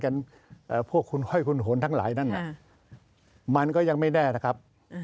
กักเป็นคนยังแยกรุพวกคุณหว่อยคุณฝนทั้งหลายมันก็ยังไม่แน่นะครับ